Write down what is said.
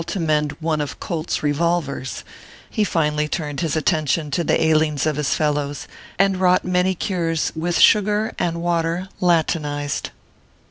to mend one of Colt s revolvers, lie finally turned his attention to the ailings of his fellows, and wrought many cures with sugar and water Latinized.